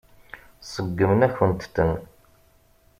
Seggmen-akent-ten.